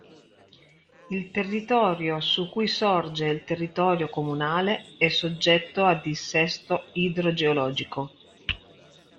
Il territorio su cui sorge il territorio comunale è soggetto a dissesto idrogeologico.